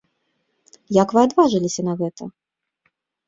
Як вы адважыліся на гэта?